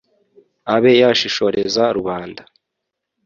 abe yashishoreza rubanda!